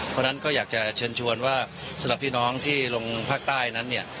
เพราะฉะนั้นก็อยากจะเชิญชวนว่าสำหรับพี่น้องที่ลงภาคใต้นั้นเนี่ย